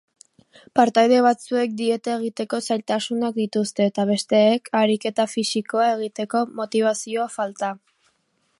Partaide batzuek dieta egiteko zailtasunak dituzte eta besteek ariketa fisikoa egiteko motibazio falta.